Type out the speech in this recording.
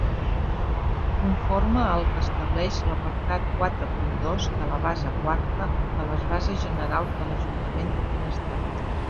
Conforme al que estableix l'apartat quatre punt dos de la base quarta de les bases generals de l'Ajuntament de Finestrat.